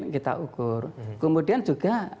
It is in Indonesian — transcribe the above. kita ukur kemudian juga